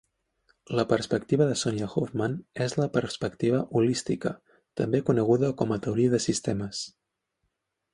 La perspectiva de Sonia Hoffman és la perspectiva holística, també coneguda com a teoria de sistemes.